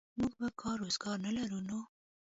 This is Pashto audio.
موږ به کار روزګار نه لرو نو.